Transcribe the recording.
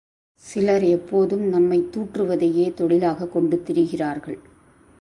சிலர் எப்போதும் நம்மைத் தூற்றுவதையே தொழிலாகக் கொண்டு திரிகிறார்கள்.